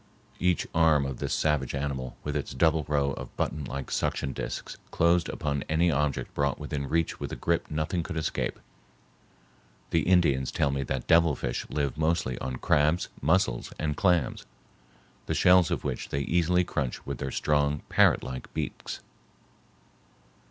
Each arm of this savage animal with its double row of button like suction discs closed upon any object brought within reach with a grip nothing could escape. The Indians tell me that devil fish live mostly on crabs, mussels, and clams, the shells of which they easily crunch with their strong, parrot like beaks.